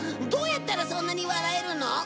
どうやったらそんなに笑えるの？